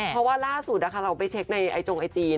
เพราะว่าล่าสุดเราไปเช็คในไอจงไอจี